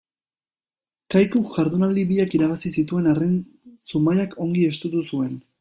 Kaikuk jardunaldi biak irabazi zituen arren Zumaiak ongi estutu zuen.